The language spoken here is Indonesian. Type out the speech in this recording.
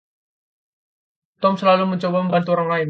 Tom selalu mencoba membantu orang lain.